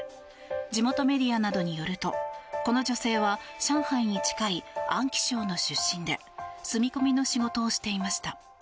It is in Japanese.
地元メディアなどによるとこの女性は上海に近い安徽省の出身で住み込みの仕事をしていました。